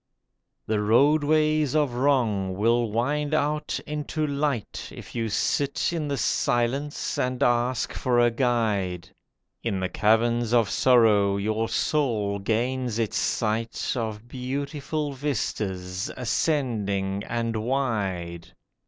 The Roadways of Wrong will wind out into light If you sit in the silence and ask for a Guide; In the caverns of sorrow your soul gains its sight Of beautiful vistas, ascending and wide.